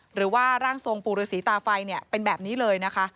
หรือว่าร่างทรงปู่หรือสีตาไฟเนี่ยเป็นแบบนี้เลยนะคะ